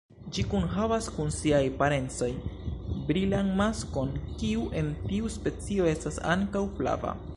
Ĝi kunhavas kun siaj parencoj brilan maskon kiu en tiu specio estas ankaŭ flava.